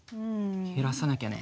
減らさなきゃね。